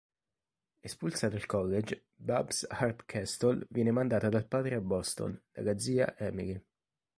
Espulsa dal college, Babs Hardcastle viene mandata dal padre a Boston, dalla zia Emily.